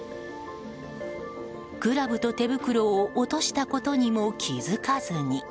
クラブと手袋を落としたことにも気づかずに。